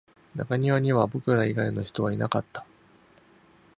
中庭には僕ら以外の人はいなかった